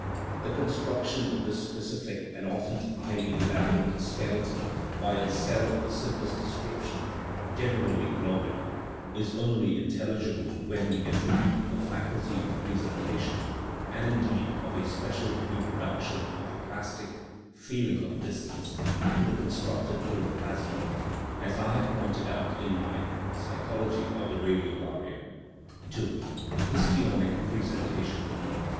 The construc tion of this specific, and often highly elaborate, skeleton by a cell of the simplest description (generally globular) is only intelligible when we attribute the faculty of pres entation, and, indeed, of a special reproduction of the plastic " feeling of distance," to the constructive proto plasm as I have pointed out in my Psychology of the Radiolaria* II. Histionic presentation.